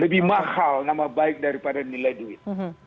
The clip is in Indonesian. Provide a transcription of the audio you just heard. lebih mahal nama baik daripada nilai duit